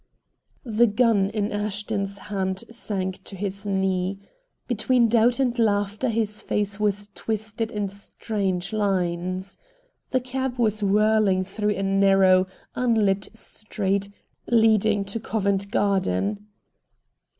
The gun in Ashton's hand sank to his knee. Between doubt and laughter his face was twisted in strange lines. The cab was whirling through a narrow, unlit street leading to Covent Garden.